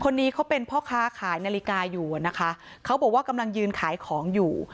คนนี้เขาเป็นพ่อค้าขายนาฬิกาอยู่อ่ะนะคะเขาบอกว่ากำลังยืนขายของอยู่